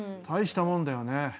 大したもんだよね。